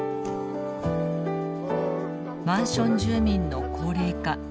マンション住民の高齢化。